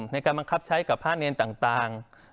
ในการบังคับใช้กับภาษณ์เนทัก